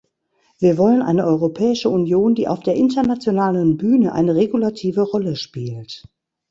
Wir wollen eine Europäische Union, die auf der internationalen Bühne eine regulative Rolle spielt.